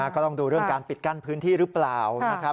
ก็ต้องดูเรื่องการปิดกั้นพื้นที่หรือเปล่า